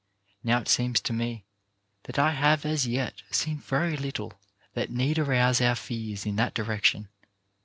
Now it seems to me that I have as yet seen very little that need arouse our fears in that direction.